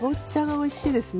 おいしいですね。